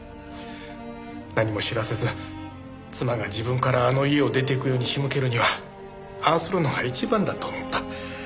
何も知らせず妻が自分からあの家を出ていくように仕向けるにはああするのが一番だと思った。